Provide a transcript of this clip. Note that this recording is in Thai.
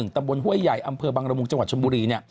ตำบลห้วยใหญ่อำเภอบังระมุงจังหวัดชนบุรี